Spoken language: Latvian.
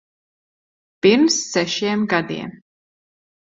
Pirms sešiem gadiem.